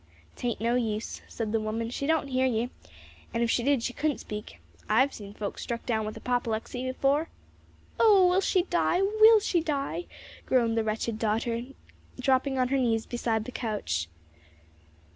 "'Tain't no use," said the woman, "she don't hear ye. An' if she did she couldn't speak. I've seen folks struck down with apoplexy afore." "Oh, will she die? will she die?" groaned the wretched daughter, dropping on her knees beside the couch.